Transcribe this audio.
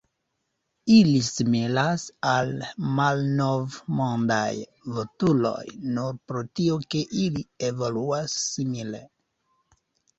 Ili similas al Malnovmondaj vulturoj nur pro tio ke ili evoluas simile.